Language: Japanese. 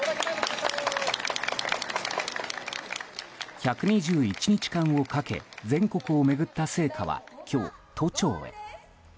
１２１日間をかけ全国を巡った聖火は今日、都庁へ。